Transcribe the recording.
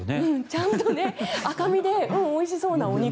ちゃんと赤身でおいしそうなお肉。